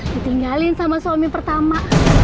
ditinggalin sama suami pertama